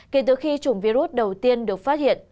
kể từ khi chủng virus đầu tiên được phát hiện